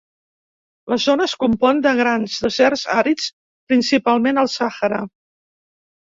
La zona es compon de grans deserts àrids, principalment el Sàhara.